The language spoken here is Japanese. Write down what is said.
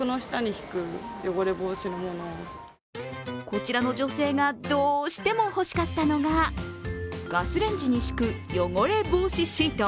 こちらの女性がどうしても欲しかったのがガスレンジに敷く汚れ防止シート。